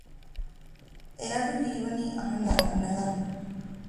އެ އަޑު ހީވަނީ އަހަންނާއި ދިމާލަށް އަންނަހެން